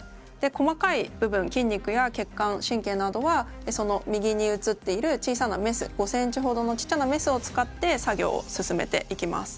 細かい部分筋肉や血管神経などはその右にうつっている小さなメス５ｃｍほどのちっちゃなメスを使って作業を進めていきます。